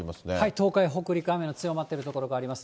東海、北陸、雨の強まってる所もあります。